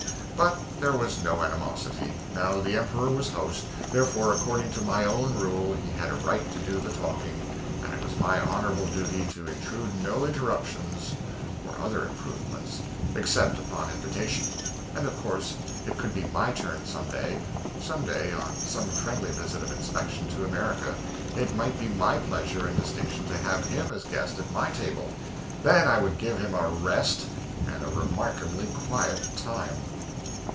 But there was no animosity no, the Emperor was host, therefore according to my own rule he had a right to do the talking, and it was my honorable duty to intrude no interruptions or other improvements, except upon invitation; and of course it could be my turn some day: some day, on some friendly visit of inspection to America, it might be my pleasure and distinction to have him as guest at my table; then I would give him a rest, and a remarkably quiet time.